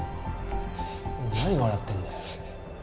何笑ってんだよ。